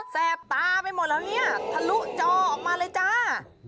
แปบตาไปหมดแล้วเนี่ยทะลุจอออกมาเลยจ้า